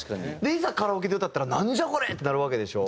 いざカラオケで歌ったらなんじゃこれ！ってなるわけでしょ？